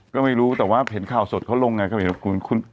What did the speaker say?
ก็ไม่รู้แต่ว่าเห็นข่าวสดเขาลงไงเขาเห็นว่าคุณ